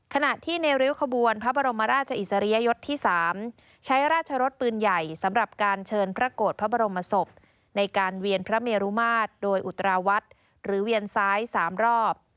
ขณะที่ในริ้วขบวนพระบรมราชอิสริยยศที่๓ใช้ราชรสปืนใหญ่สำหรับการเชิญพระโกรธพระบรมศพในการเวียนพระเมรุมาตรโดยอุตราวัดหรือเวียนซ้าย๓รอบ